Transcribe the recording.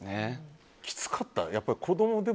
きつかった？